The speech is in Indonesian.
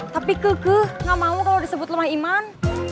tapi kekeh gak mau kalo disebut lemah iman